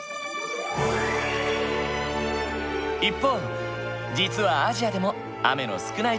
一方実はアジアでも雨の少ない所がある。